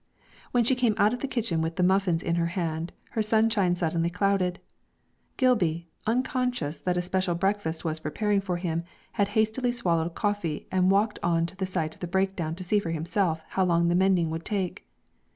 When she came out of the kitchen with the muffins in her hand her sunshine suddenly clouded. Gilby, unconscious that a special breakfast was preparing for him, had hastily swallowed coffee and walked on to the site of the breakdown to see for himself how long the mending would take.